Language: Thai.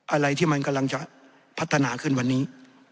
อะไรที่มันกำลังจะพัฒนาขึ้นวันนี้